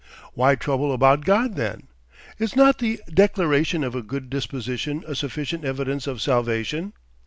Why trouble about God then? Is not the declaration of a good disposition a sufficient evidence of salvation?